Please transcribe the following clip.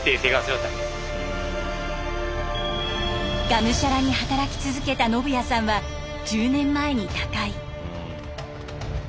がむしゃらに働き続けた信巳さんは１０年前に他界。